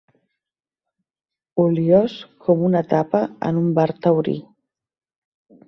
Oliós com una tapa en un bar taurí.